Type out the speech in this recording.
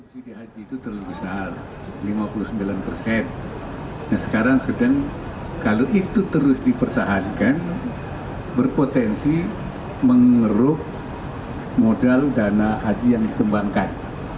sekarang sedang kalau itu terus dipertahankan berpotensi mengeruk modal dana haji yang dikembangkan